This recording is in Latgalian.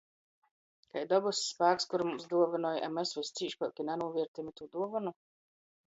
Kai dobys spāks, kuru mums duovynoj, a mes vyscieškuok i nanūviertejom itū duovonu?